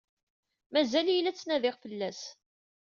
Mazal-iyi la ttnadiɣ fell-as.